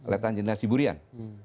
letan jenderal siburian